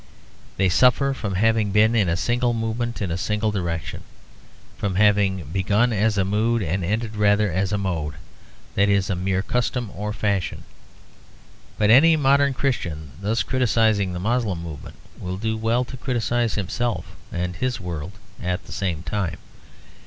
They suffer from having been in a single movement in a single direction; from having begun as a mood and ended rather as a mode, that is a mere custom or fashion. But any modern Christian thus criticising the Moslem movement will do well to criticise himself and his world at the same time.